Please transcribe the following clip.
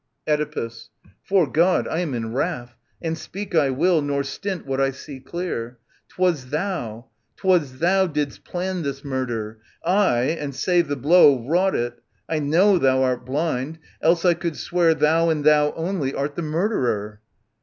Oedipus. 'Fore God, I am in wrath ; and speak I will. Nor stint what I see clear. 'Twas thou, 'twas thou. Didst plan this murder ; aye, and, save the blow, Wrought it. — I know thou art blind ; else I could swear Thou, and thou only, art the murderer.